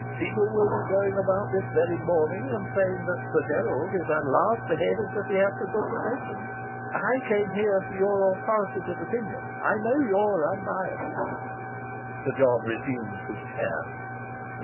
People will be going about this very morning and saying that Sir Gerald is at last the head of the theatrical profession. I came here for your authoritative opinion. I know you're unbiased." Sir John resumed his chair.